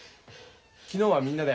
昨日はみんなで。